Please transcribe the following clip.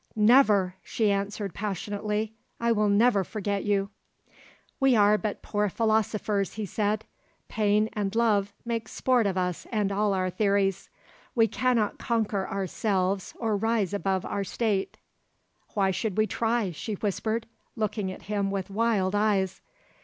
"Never!" she answered passionately. "I will never forget you!" "We are but poor philosophers," he said. "Pain and love make sport of us and all our theories. We cannot conquer ourselves or rise above our state." "Why should we try?" she whispered, looking at him with wild eyes.